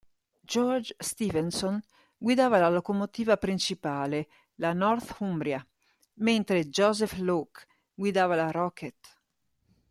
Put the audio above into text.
George Stephenson guidava la locomotiva principale, la "Northumbria" mentre Joseph Locke guidava la "Rocket".